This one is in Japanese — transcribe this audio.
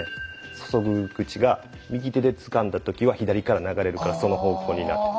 注ぐ口が右手でつかんだ時は左から流れるからその方向になってる。